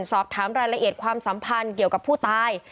สอบถามรายละเอียดความสัมพันธ์เกี่ยวกับผู้ตาย